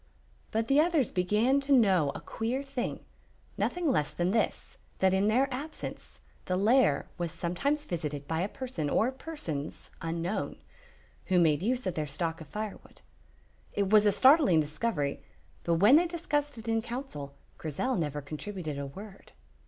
But the others began to know a queer thing, nothing less than this, that in their absence the lair was sometimes visited by a person or persons unknown, who made use of their stock of firewood. It was a startling discovery, but when they discussed it in council, Grizel never contributed a word.